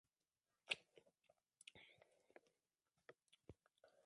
Actualmente se está desarrollando una versión de ametralladora ligera y de francotirador del arma.